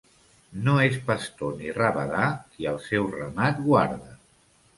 No és pastor ni rabadà qui el seu ramat guarda.